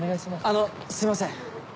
あのすいません。